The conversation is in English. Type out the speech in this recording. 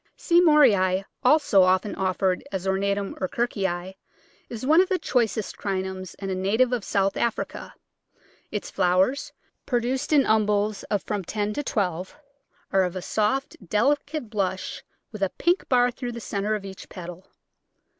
C. Moorei, also often offered as ornatum or Kirkii, is one of the choicest Crinums and a native of South Africa, Its flowers, produced in umbels of from ten to twelve, are of a soft, delicate blush with a pink bar through the centre of each petal.